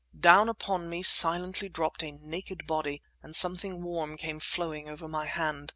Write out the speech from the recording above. Down upon me silently dropped a naked body, and something warm came flowing over my hand.